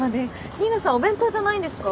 新名さんお弁当じゃないんですか？